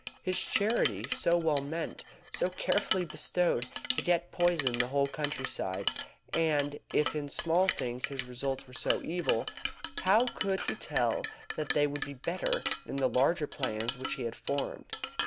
His charity, so well meant, so carefully bestowed, had yet poisoned the whole countryside. And if in small things his results were so evil, how could he tell that they would be better in the larger plans which he had formed?